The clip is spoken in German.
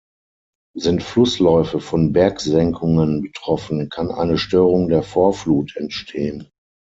Sind Flussläufe von Bergsenkungen betroffen, kann eine Störung der Vorflut entstehen.